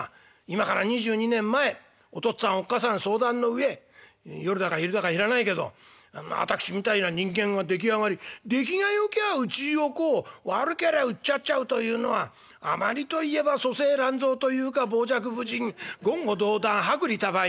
今から２２年前お父っつぁんおっ母さん相談の上夜だか昼だか知らないけど私みたいな人間が出来上がり出来がよきゃあうちに置こう悪けりゃうっちゃっちゃうというのはあまりと言えば粗製乱造というか傍若無人言語道断薄利多売」。